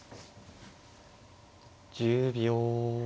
１０秒。